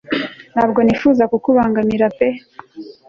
ntabwo nipfuza kukubangamira pe